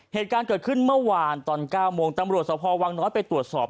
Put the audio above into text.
เหตุการณ์เกิดขึ้นเมื่อวานตอน๙โมงตำรวจสภวังน้อยไปตรวจสอบ